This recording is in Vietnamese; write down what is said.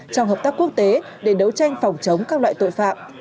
trong hợp tác quốc tế để đấu tranh phòng chống các loại tội phạm